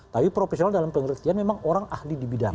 tapi profesional dalam pengertian memang orang ahli di bidang